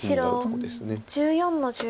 白１４の十五。